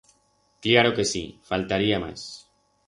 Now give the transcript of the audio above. Cllaro que sí, faltaría mas.